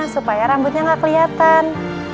supaya rambutnya gak kelihatan